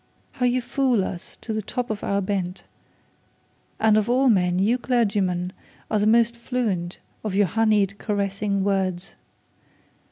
'How you fool us to the top of our bent; and of all men you clergymen are the most fluent of your honeyed caressing words.